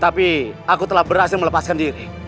tapi aku telah berhasil melepaskan diri